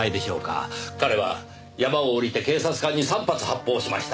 彼は山を下りて警察官に３発発砲しました。